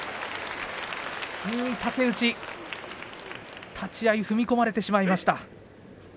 竹内、立ち合い踏み込まれてしまいました。